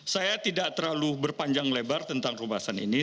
saya tidak terlalu berpanjang lebar tentang pembahasan ini